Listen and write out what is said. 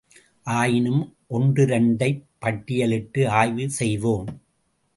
ஆயினும் ஒன்றிரண்டைப் பட்டியலிட்டு ஆய்வு செய்வோம்.